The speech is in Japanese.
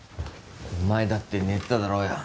お前だって寝てただろうよ